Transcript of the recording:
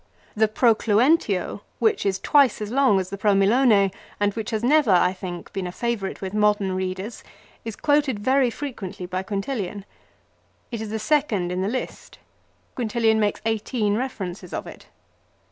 The " Pro Cluentio," which is twice as long as the " Pro Milone," and which has never, I think, been a favourite with modern readers, is quoted very frequently by Quintilian. It is the second in the list. Quintilian makes eighteen references of it.